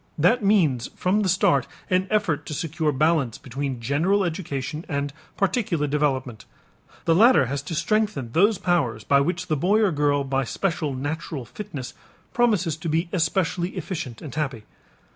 That means from the start an effort to secure balance between general education and particular development. The latter has to strengthen those powers by which the boy or girl by special natural fitness promises to be especially efficient and happy.